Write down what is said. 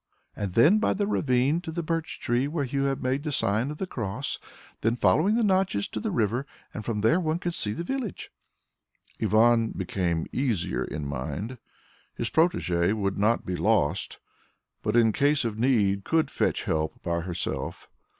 "And then by the ravine to the birch tree where you have made the sign of the cross. Then following the notches to the river, and from there one can see the village." Ivan became easier in mind. His protégée would not be lost, but in case of need could fetch help by herself.